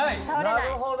なるほど。